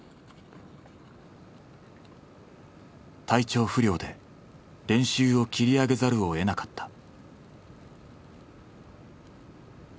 体調不良で練習を切り上げざるをえなかった。